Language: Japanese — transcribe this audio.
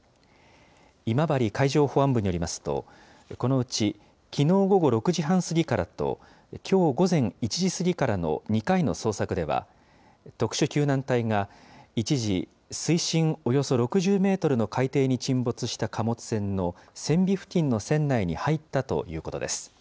今治海上保安部によりますと、このうち、きのう午後６時半過ぎからと、きょう午前１時過ぎからの２回の捜索では、特殊救難隊が一時、水深およそ６０メートルの海底に沈没した貨物船の船尾付近の船内に入ったということです。